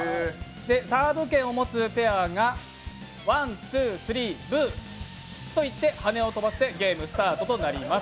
サーブ権を持つペアがワン、ツー、スリー、ブー！と言って羽根を飛ばしてゲームスタートとなります。